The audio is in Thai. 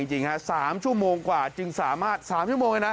จึงสามชั่วโมงกี่นาที